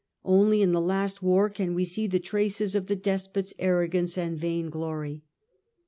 Only in the last war can we see the traces of the despot's jjedicdat arrogance and vainglory.